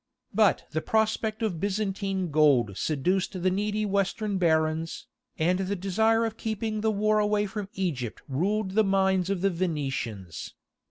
But the prospect of Byzantine gold seduced the needy Western barons, and the desire of keeping the war away from Egypt ruled the minds of the Venetians.